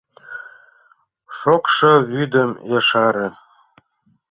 — Шокшо вӱдым ешаре.